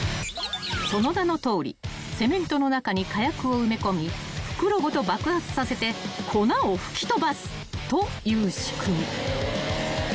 ［その名のとおりセメントの中に火薬を埋め込み袋ごと爆発させて粉を吹き飛ばすという仕組み］